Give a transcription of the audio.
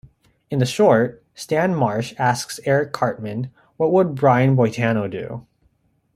In the short, Stan Marsh asks Eric Cartman, What would Brian Boitano do?